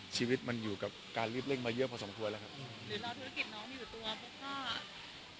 ชีวิตมันอยู่กับการรีบเร่งมาเยอะพอสมควรแล้วครับหรือรอธุรกิจน้องอยู่ตัวปุ๊บก็